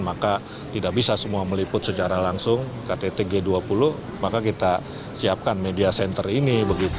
maka tidak bisa semua meliput secara langsung ktt g dua puluh maka kita siapkan media center ini